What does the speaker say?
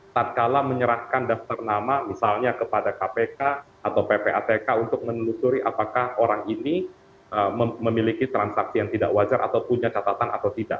tak kalah menyerahkan daftar nama misalnya kepada kpk atau ppatk untuk menelusuri apakah orang ini memiliki transaksi yang tidak wajar atau punya catatan atau tidak